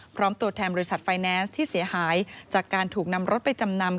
ตัวแทนบริษัทไฟแนนซ์ที่เสียหายจากการถูกนำรถไปจำนำ